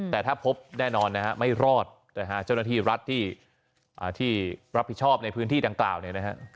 แต่ถ้าพบแน่นอนนะฮะไม่รอดนะฮะเจ้าหน้าที่รัฐที่รับผิดชอบในพื้นที่ดังกล่าวเนี่ยนะฮะ